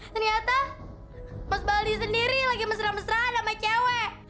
ternyata mas baldi sendiri lagi mesra mesra sama cewek